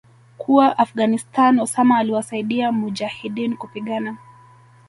kuwa Afghanistan Osama aliwasaidia mujahideen kupigana